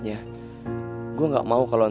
emang masih kecil